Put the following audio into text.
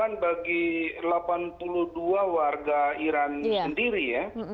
yang sebetulnya juga membawa korban bagi delapan puluh dua warga iran sendiri ya